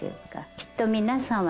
きっと皆さんは